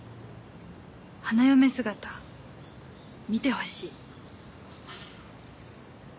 花嫁姿見てほしい。